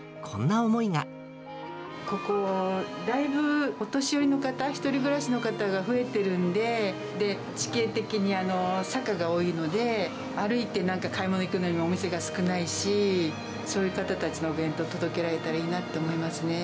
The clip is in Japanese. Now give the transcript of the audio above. ここはだいぶお年寄りの方、１人暮らしの方が増えてるんで、地形的に坂が多いので、歩いてなんか買い物行くのにお店が少ないし、そういう方たちのお弁当を届けられたらいいなと思いますね。